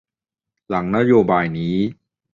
หลังนโยบายนี้